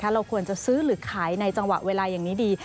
เราควรจะซื้อหรือขายในจังหวะเวลาอย่างนี้ดี